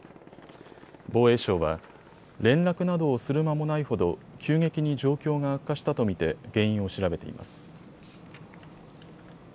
防衛省は連絡などをする間もないほど急激に状況が悪化したと見て原因を調べています。